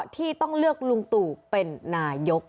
ที่ต้องเลือกลุงตู่เป็นนายก